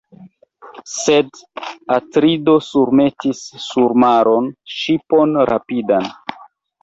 Sed Atrido surmetis sur maron ŝipon rapidan.